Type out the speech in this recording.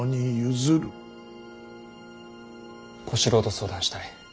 小四郎と相談したい。